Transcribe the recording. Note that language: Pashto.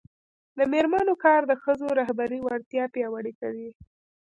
د میرمنو کار د ښځو رهبري وړتیا پیاوړې کوي.